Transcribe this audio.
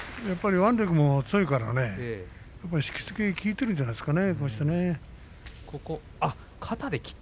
腕力も強いから引きつけが効いているんじゃないでしょうか。